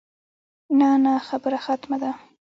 نه نه خبره ختمه ده.